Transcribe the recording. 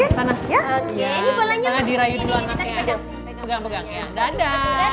sana dirayu dulu anaknya